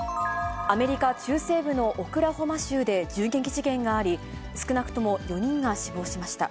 アメリカ中西部のオクラホマ州で銃撃事件があり、少なくとも４人が死亡しました。